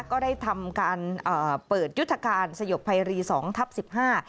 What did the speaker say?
ก็ได้ทำการเอ่อเปิดยุทธการสยบภัยรีสองทับสิบห้า